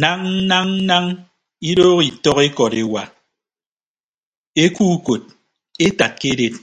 Nañ nañ nañ idooho itọk ikọt ewa ekuo ukot etaat ke edet.